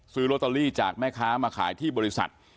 ซื้อลอตเตอรี่จากแม่ค้ามาขายที่บริษัท